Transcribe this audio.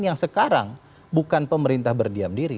yang sekarang bukan pemerintah berdiam diri